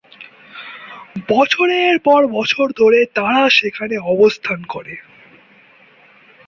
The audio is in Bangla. বছরের পর বছর ধরে তারা সেখানে অবস্থান করে।